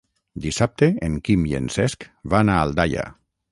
Dissabte en Quim i en Cesc van a Aldaia.